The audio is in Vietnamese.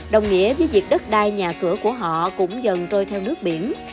đồng nghĩa với việc đất đai nhà cửa của họ cũng dần trôi theo nước biển